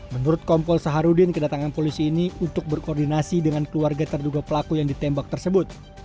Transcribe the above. menurut kompol saharudin kedatangan polisi ini untuk berkoordinasi dengan keluarga terduga pelaku yang ditembak tersebut